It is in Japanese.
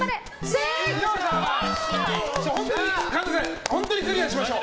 本当に神田さんクリアしましょう。